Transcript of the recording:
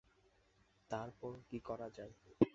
তার পর কী করা যায়?